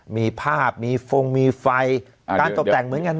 มีภาพมีฟงมีไฟการตกแต่งเหมือนกัน